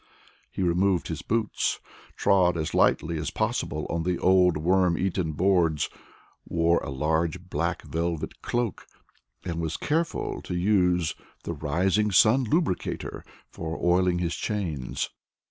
He removed his boots, trod as lightly as possible on the old worm eaten boards, wore a large black velvet cloak, and was careful to use the Rising Sun Lubricator for oiling his chains.